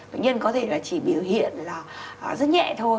bệnh nhân có thể là chỉ biểu hiện là rất nhẹ thôi